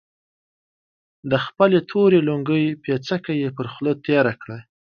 د خپلې تورې لونګۍ پيڅکه يې پر خوله تېره کړه.